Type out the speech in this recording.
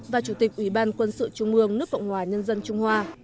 và chủ tịch ủy ban quân sự trung mương nước vọng hòa nhân dân trung hoa